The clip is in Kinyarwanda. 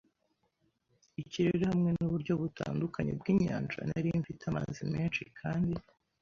ikirere hamwe nuburyo butandukanye bwinyanja. Nari mfite amazi menshi kandi